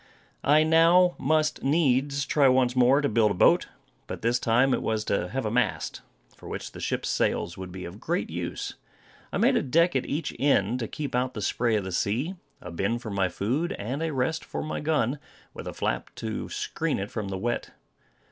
I now must needs try once more to build a boat, but this time it was to have a mast, for which the ship's sails would be of great use. I made a deck at each end, to keep out the spray of the sea, a bin for my food, and a rest for my gun, with a flap to screen it from the wet.